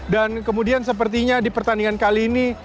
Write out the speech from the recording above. dan kemudian sepertinya di pertandingan kali ini